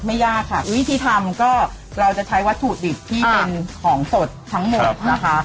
ไม่ยากอ่ะวิธีทำเราจะใช้วัสดิบที่เป็นของสดทั้งหมด